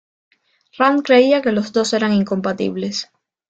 Rand creía que los dos eran incompatibles.